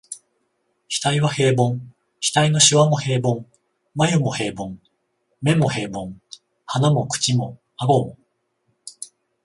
額は平凡、額の皺も平凡、眉も平凡、眼も平凡、鼻も口も顎も、